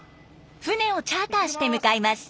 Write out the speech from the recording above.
船をチャーターして向かいます。